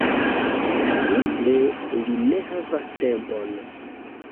Simple li ne havas tempon.